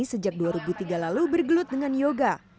sejak dua ribu tiga lalu bergelut dengan yoga